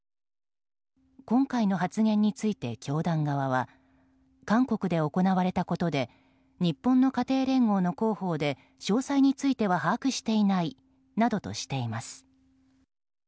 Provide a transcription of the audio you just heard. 今回の発言について教団側は韓国で行われたことで日本の家庭連合の広報で詳細については把握していないなどとしています。